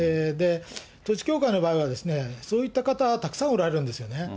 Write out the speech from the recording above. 統一教会の場合は、そういった方、たくさんおられるんですよね。